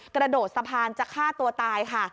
กระโดดสะพานจะฆ่าตัวตายค่ะ